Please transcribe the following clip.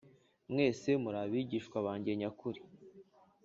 Mwese muri abigishwa banjye nyakuri